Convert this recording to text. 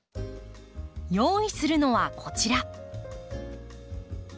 用意するのはこちら。